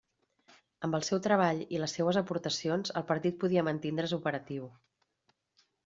Amb el seu treball i les seues aportacions, el partit podia mantindre's operatiu.